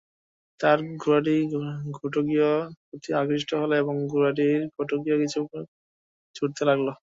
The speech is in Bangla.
তার ঘোড়াটি ঘোটকীর প্রতি আকৃষ্ট হল এবং ঘোড়াটি ঘোটকীর পিছু পিছু ছুটতে লাগল।